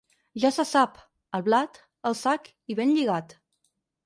Ja se sap, el blat, el sac i ben lligat.